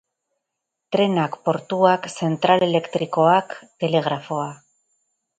Trenak, portuak, zentral elektrikoak, telegrafoa.